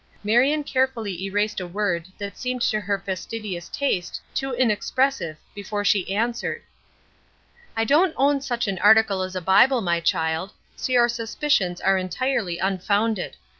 Marion carefully erased a word that seemed to her fastidious taste too inexpressive before she answered: "I don't own such an article as a Bible, my child; so your suspicions are entirely unfounded.